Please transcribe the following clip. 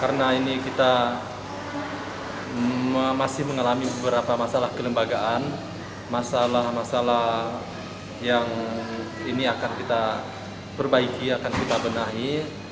karena ini kita masih mengalami beberapa masalah kelembagaan masalah masalah yang ini akan kita perbaiki akan kita benahi